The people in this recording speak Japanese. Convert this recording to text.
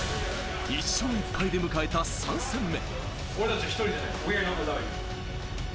１勝１敗で迎えた３戦目。